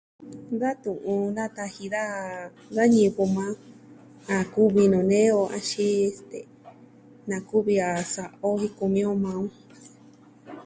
Da tu'un nataji da ñivɨ yukuan a kuvi nuu nee o axin, este, na kuvi a sa'a o jen kumi on maa on.